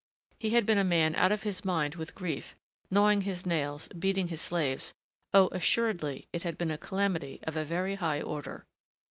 He had been a man out of his mind with grief, gnawing his nails, beating his slaves, Oh, assuredly, it had been a calamity of a very high order!